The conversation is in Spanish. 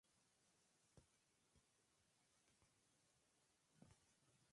Significado: Mujer Consagrada.